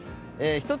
一つ